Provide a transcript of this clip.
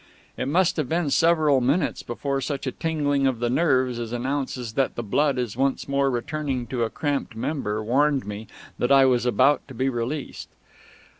It must have been several minutes before such a tingling of the nerves as announces that the blood is once more returning to a cramped member warned me that I was about to be released.